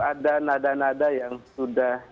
ada nada nada yang sudah